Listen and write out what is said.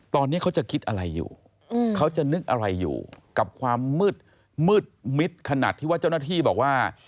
ตอนนี้เขาจะคิดอะไรอยู่เขาจะนึกอะไรอยู่กับความมืดมืดมิดขนาดที่ว่าเจ้าหน้าที่บอกว่า